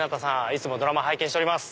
いつもドラマ拝見しております。